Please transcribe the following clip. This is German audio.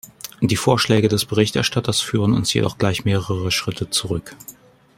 Die Vorschläge des Berichterstatters führen uns jedoch gleich mehrere Schritte zurück.